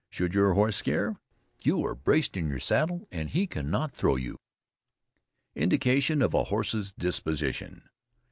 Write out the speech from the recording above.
Should your horse scare, you are braced in your saddle and he cannot throw you. INDICATION OF A HORSE'S DISPOSITION.